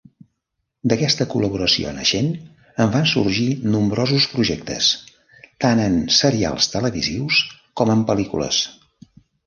D'aquesta col·laboració naixent en van sorgir nombrosos projectes, tant en serials televisius com en pel·lícules.